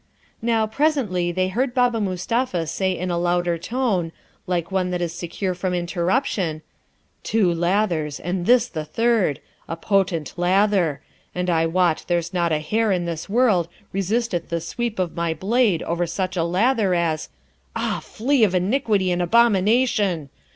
Now, presently they heard Baba Mustapha say in a louder tone, like one that is secure from interruption, 'Two lathers, and this the third! a potent lather! and I wot there's not a hair in this world resisteth the sweep of my blade over such a lather as Ah! flea of iniquity and abomination!